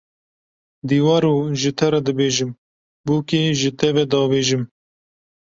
Diwaro ji te re dibêjim, bûkê ji te ve davêjim